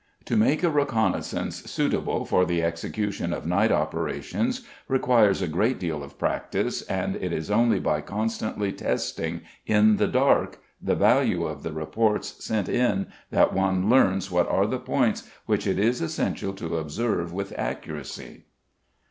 To make a reconnaissance suitable for the execution of night operations requires a great deal of practice, and it is only by constantly testing in the dark the value of the reports sent in that one learns what are the points which it is essential to observe with accuracy.